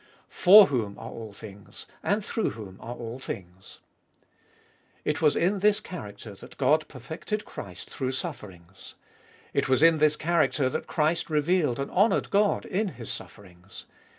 For whom are all things, and through whom are all things. It was in this character that God perfected Christ through sufferings. It was in this character that Christ revealed and honoured God in His sufferings.